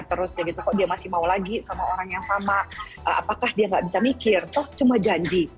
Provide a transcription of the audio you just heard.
terus kayak gitu kok dia masih mau lagi sama orang yang sama apakah dia nggak bisa mikir toh cuma janji